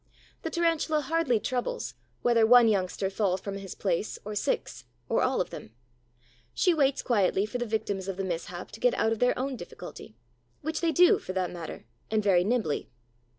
The Tarantula hardly troubles, whether one youngster fall from his place, or six, or all of them. She waits quietly for the victims of the mishap to get out of their own difficulty, which they do for that matter, and very nimbly.